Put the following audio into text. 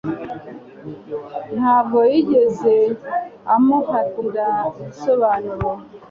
Ntabwo yigeze amuhatira ibisobanuro